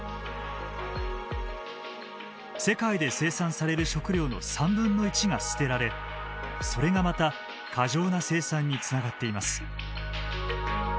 世界で生産される食料の３分の１が捨てられそれがまた過剰な生産につながっています。